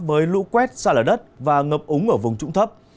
với lũ quét xa lở đất và ngập úng ở vùng trụng thấp